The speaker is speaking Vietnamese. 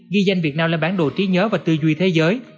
ghi danh việt nam lên bán đồ trí nhớ và tư duy thế giới